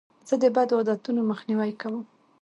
زه د بدو عادتو مخنیوی کوم.